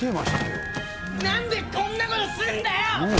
なんでこんなことすんだよ！